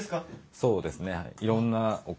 そうですね。